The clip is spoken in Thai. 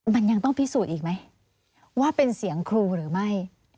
มันยังต้องพิสูจน์อีกไหมว่าเป็นเสียงครูหรือไม่